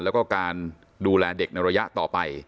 แล้วก็การดูแลเด็กในระยะต่อไป